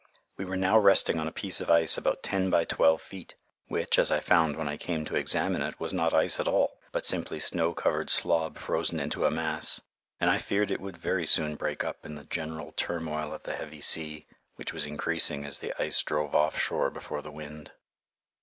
We were now resting on a piece of ice about ten by twelve feet, which, as I found when I came to examine it, was not ice at all, but simply snow covered slob frozen into a mass, and I feared it would very soon break up in the general turmoil of the heavy sea, which was increasing as the ice drove off shore before the wind.